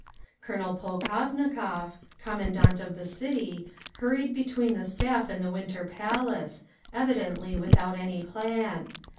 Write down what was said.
Colonel Polkovnikov, Commandant of the City, hurried between the Staff and the Winter Palace, evidently without any plan.